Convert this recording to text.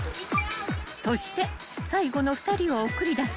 ［そして最後の２人を送り出し